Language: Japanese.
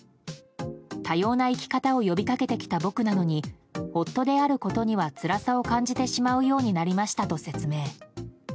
多様な生き方を呼び掛けてきた僕なのに夫であることにはつらさを感じてしまうようになりましたと説明。